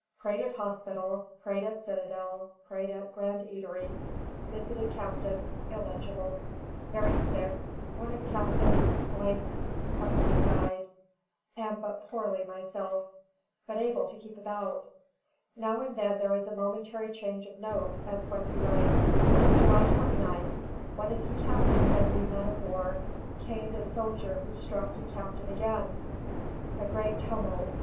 "Prayed at Hospital; Prayed at Citadel; Preached at Grand Eatery; Visited Capt. [illegible], very sick; One of Capt. 's company dyd Am but poorly myself, but able to keep about." Now and then there is a momentary change of note, as when he writes: "July 29th. One of ye Captains of ye men of war caind a soldier who struck ye capt. again. A great tumult.